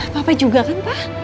papa juga kan pak